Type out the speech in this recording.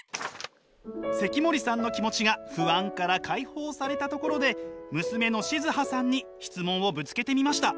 関森さんの気持ちが不安から解放されたところで娘の静巴さんに質問をぶつけてみました。